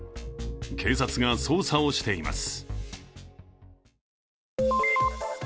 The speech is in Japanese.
警察が捜査をしています。